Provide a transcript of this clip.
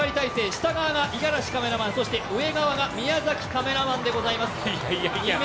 下側がイガラシカメラマン、そして上側がミヤザキカメラマンでございます。